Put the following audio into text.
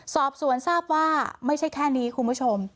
สอบสวนทราบว่าไม่ใช่แค่นี้คุณผู้ชม